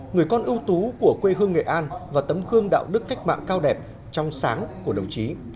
người con ưu tú của quê hương nghệ an và tấm khương đạo đức cách mạng cao đẹp trong sáng của đồng chí